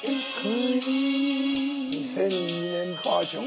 ２００２年バージョン！